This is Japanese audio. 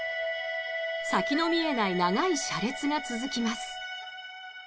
先の見えない長い車列が続きます。